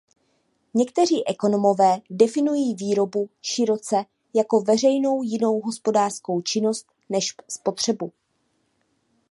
Někteří ekonomové definují výrobu široce jako veškerou jinou hospodářskou činnost než spotřebu.